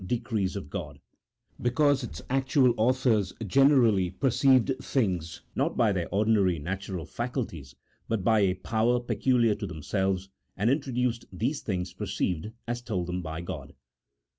decrees of God ; because its actual authors generally per ceived things not by their ordinary natural faculties, but by a power peculiar to themselves, and introduced these things perceived, as told them by God.